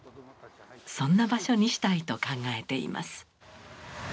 そんな場所にしたいと考えています。